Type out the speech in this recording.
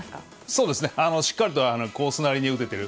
そうですね、しっかりとコースなりに打ててる。